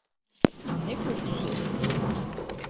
Ne kokusu?